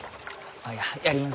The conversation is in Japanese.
あやります。